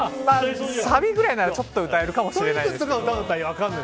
サビくらいならちょっと歌えるかもしれない。